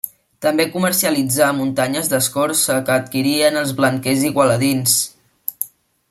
També comercialitzà muntanyes d'escorça, que adquirien els blanquers igualadins.